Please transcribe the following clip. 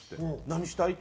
「何したい？」